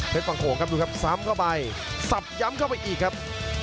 ฝั่งโขงครับดูครับซ้ำเข้าไปสับย้ำเข้าไปอีกครับ